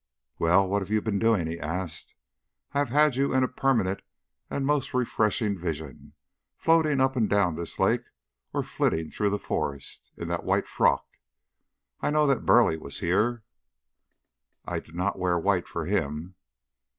"Well, what have you been doing?" he asked. "I have had you in a permanent and most refreshing vision, floating up and down this lake, or flitting through the forest, in that white frock. I know that Burleigh was here " "I did not wear white for him."